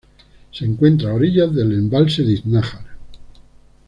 Se encuentra a orillas del embalse de Iznájar.